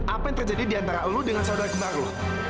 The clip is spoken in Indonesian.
apa yang terjadi di antara lu dengan saudara kembar lu